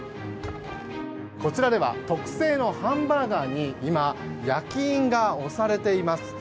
こちらでは特製のハンバーガーに今、焼き印が押されています。